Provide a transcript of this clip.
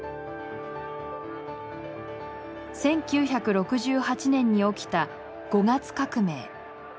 １９６８年に起きた５月革命。